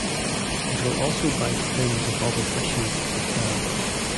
It will also bite fins of other fishes if it can.